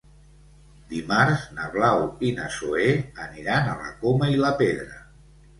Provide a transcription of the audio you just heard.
Dimarts na Blau i na Zoè aniran a la Coma i la Pedra.